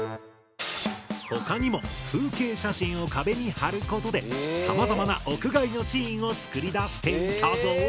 他にも風景写真を壁に貼ることでさまざまな屋外のシーンを作り出していたぞ。